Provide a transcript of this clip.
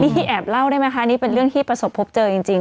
นี่แอบเล่าได้ไหมคะนี่เป็นเรื่องที่ประสบพบเจอจริง